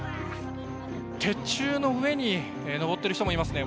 鉄柱の上に登ってる人もいますね。